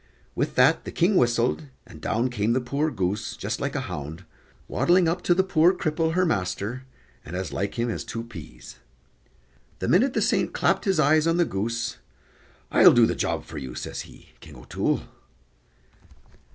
With that the King whistled, and down came the poor goose, just like a hound, waddling up to the poor cripple, her master, and as like him as two peas. The minute the saint clapt his eyes on the goose, "I'll do the job for you," says he, "King O'Toole."